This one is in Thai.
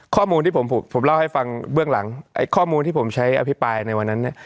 ข้อมูลที่ผมพูดข้อมูลที่ผมใช้อภิปรายในวันนั้น